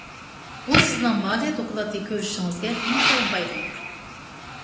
بۇ سىزنىڭ مالىيە دوكلاتى كۆرۈشىڭىزگە ئىنتايىن پايدىلىق.